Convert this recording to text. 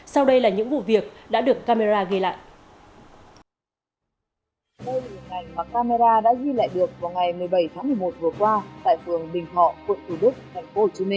sau đây là những vụ việc đã được camera ghi lại